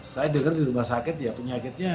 saya dengar di rumah sakit ya penyakitnya